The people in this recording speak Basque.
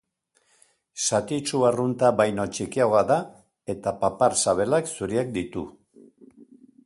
Satitsu arrunta baino txikiagoa da eta papar-sabelak zuriak ditu.